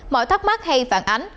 mọi thắc mắc hay phản ánh